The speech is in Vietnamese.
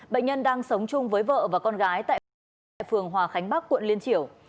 bệnh nhân đang sống chung với vợ và con gái tại phường hòa khánh bắc quận liên triểu